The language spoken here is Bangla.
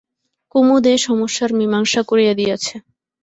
কুমুদ এ সমস্যার মীমাংসা করিয়া দিয়াছে।